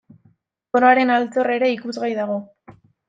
Koroaren altxorra ere ikusgai dago.